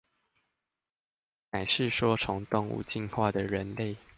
乃是說從動物進化的人類